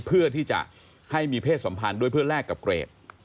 เพื่อที่จะให้มีเพศสัมพันธ์ด้วยเพื่อแลกกับเกรด